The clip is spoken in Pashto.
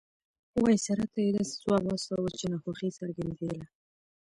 وایسرا ته یې داسې ځواب واستاوه چې ناخوښي یې څرګندېدله.